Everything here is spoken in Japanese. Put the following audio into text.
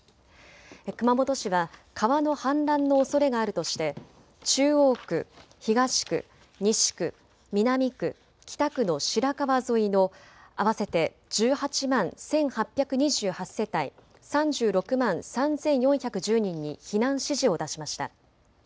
熊本市は川の氾濫のおそれがあるとして中央区、東区、西区、南区、北区の白川沿いの合わせて１８万１８２８世帯３６万３４１０人に避難指示を出しました。